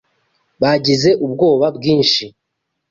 bagize ubwoba bwinshi